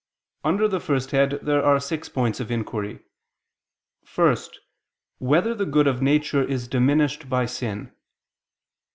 Under the first head there are six points of inquiry: (1) Whether the good of nature is diminished by sin?